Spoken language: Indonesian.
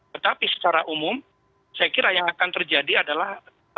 tetapi secara umum saya kira yang akan terjadi adalah